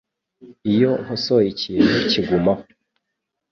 Iyo nkosoye ikintu, kigumaho.